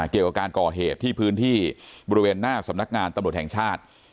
เกี่ยวกับการก่อเหตุที่พื้นที่บริเวณหน้าสำนักงานตำรวจแห่งชาติ